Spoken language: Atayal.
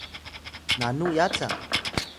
Batu: nanu yaca